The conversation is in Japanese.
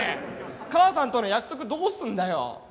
母さんとの約束どうすんだよ？